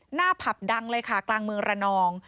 ผับดังเลยค่ะกลางเมืองระนอง